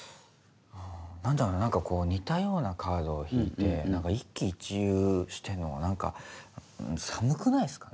何だろうなこう似たようなカードを引いて一喜一憂してんのが寒くないっすか？